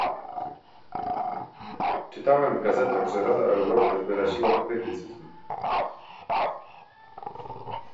Czytałem w gazetach, że Rada Europy wyraziła krytycyzm